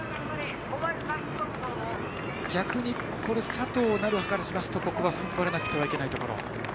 逆に佐藤成葉からしますとここは踏ん張らなくてはいけない。